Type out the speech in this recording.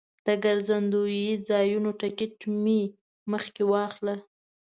د ګرځندوی ځایونو ټکټ مخکې واخله.